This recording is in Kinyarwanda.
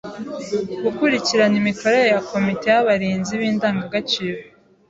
Gukurikirana imikorere ya Komite y’abarinzi b’indagagaciro